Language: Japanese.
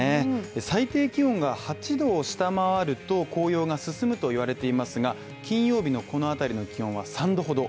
最低気温が８℃を下回ると紅葉が進むと言われていますが、金曜日のこのあたりの気温は３度ほど。